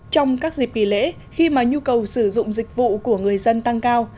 trong các dịp kỳ lễ khi mà nhu cầu sử dụng dịch vụ của người dân tăng cao